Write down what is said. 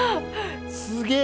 すげえ。